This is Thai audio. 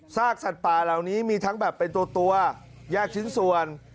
สัตว์ป่าเหล่านี้มีทั้งแบบเป็นตัวแยกชิ้นส่วน